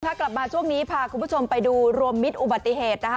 กลับมาช่วงนี้พาคุณผู้ชมไปดูรวมมิตรอุบัติเหตุนะคะ